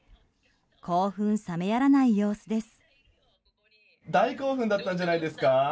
興奮冷めやらない様子です。